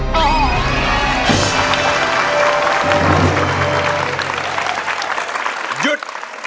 หยุด